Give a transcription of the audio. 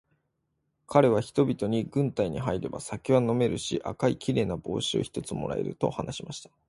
かれは人々に、軍隊に入れば酒は飲めるし、赤いきれいな帽子を一つ貰える、と話しました。